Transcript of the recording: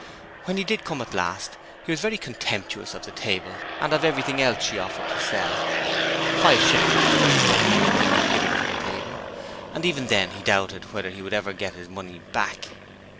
When he did come at last he was very contemptuous of the table and of everything else she offered to sell. Five shillings was the very most he could think of giving for the table, and even then he doubted whether he would ever get his money back.